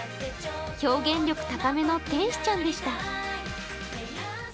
表現力高めの天使ちゃんでした。